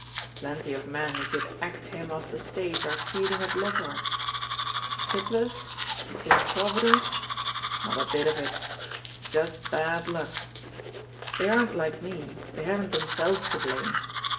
Plenty of men who could act him off the stage are feeding at Lockhart's. Tipplers? Improvi dent? Not a bit of it — ^just bad luck. They aren't like me, they haven't themselves to blame.